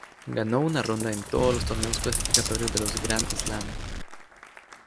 Ganó una ronda en todos los torneos clasificatorios de los Grand Slam.